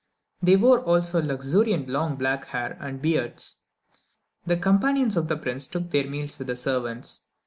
They wore also luxuriant long black hair, and beards. The companions of the prince took their meals with the servants.